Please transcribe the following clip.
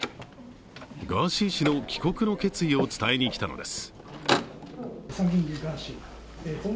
ガーシー氏の帰国の決意を伝えにきたのです。